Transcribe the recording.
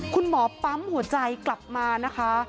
คุณหมอปั๊มหัวใจกลับมานะคะ